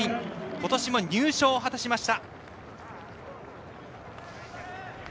今年も入賞を果たしました。